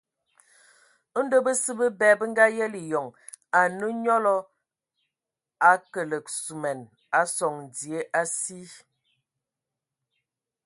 Ndo bəsǝ bəbɛ bə ngayelə eyɔŋ, anə nyɔlɔ a kəlǝg suman a sɔŋ dzie asi.